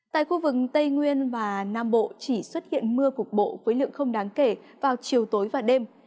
tại khu vực tây nguyên và nam bộ chỉ xuất hiện mưa cục bộ với lượng không đáng kể vào chiều tối và đêm